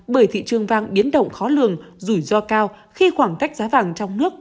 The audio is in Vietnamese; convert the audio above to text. bởi thị trường vàng biến động khó lường rủi ro cao khi khoảng cách giá vàng trong nước